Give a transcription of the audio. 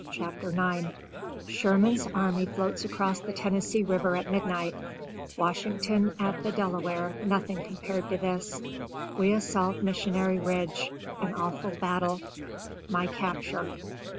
CHAPTER IX Sherman's army floats across the Tennessee River at midnight Washington at the Delaware nothing compared to this We assault Missionary Ridge An awful battle My capture.